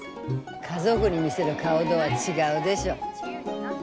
家族に見せる顔とは違うでしょ。